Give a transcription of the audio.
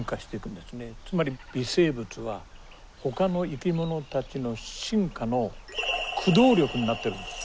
つまり微生物はほかの生き物たちの進化の駆動力になってるんですよ。